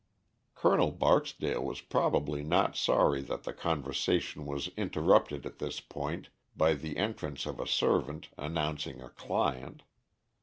Colonel Barksdale was probably not sorry that the conversation was interrupted at this point by the entrance of a servant announcing a client.